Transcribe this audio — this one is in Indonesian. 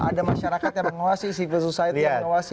ada masyarakat yang mengawasi civil society yang mengawasi